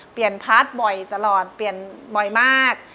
เปลี่ยนพาร์ทบ่อยตลอดเปลี่ยนบ่อยมาก